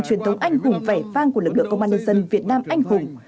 truyền thống anh hùng vẻ vang của lực lượng công an nhân dân việt nam anh hùng